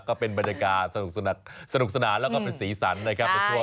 ก็เป็นบรรยากาศสนุกสนานแล้วก็เป็นสีสันนะครับ